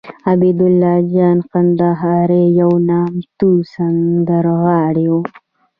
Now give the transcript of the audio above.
عبیدالله جان کندهاری یو نامتو سندرغاړی وو